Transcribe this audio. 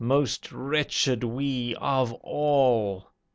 Most wretched we, of all!